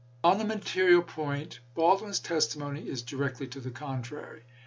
1 On the material point Baldwin's testimony is directly to the contrary.